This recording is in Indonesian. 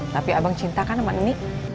tapi abang cinta kan sama nini